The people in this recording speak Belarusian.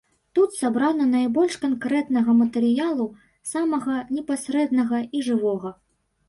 Тут сабрана найбольш канкрэтнага матэрыялу, самага непасрэднага і жывога.